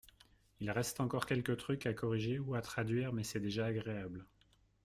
Il reste encore quelques trucs à corriger ou à traduire mais c’est déjà agréable.